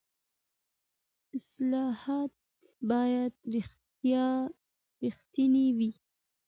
اصلاحات باید رښتیني وي